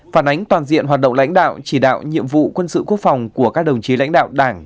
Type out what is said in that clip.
phản ánh toàn diện hoạt động lãnh đạo chỉ đạo nhiệm vụ quân sự quốc phòng của các đồng chí lãnh đạo đảng